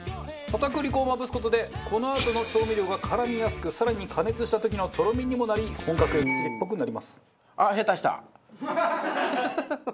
片栗粉をまぶす事でこのあとの調味料が絡みやすく更に加熱した時のとろみにもなり本格エビチリっぽくなります。